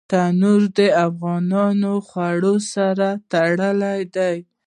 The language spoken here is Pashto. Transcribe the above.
تنور د افغاني خوړو سره تړلی دی